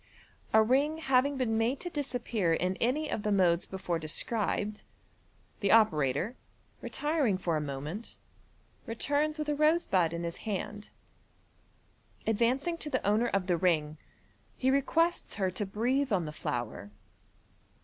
A ring having been made t9 MODERN MAGIC. 235 disappear in any of the modes before described, the operator, retiring for a moment, returns with a rose bud in his hand. uivunung to the owner of the ring, he requests her to breathe on the flower.